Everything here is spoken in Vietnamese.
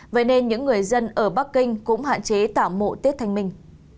vậy nên những người dân ở bắc kinh cũng hạn chế tả mộ tiết thanh minh